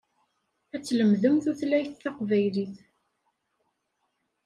Ad tlemdem tutlayt taqbaylit.